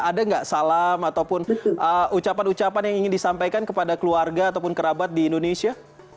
ada nggak salam ataupun ucapan ucapan yang ingin disampaikan kepada keluarga ataupun kerabat di indonesia